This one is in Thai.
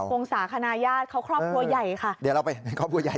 วงศาคณะญาติเขาครอบครัวใหญ่ค่ะ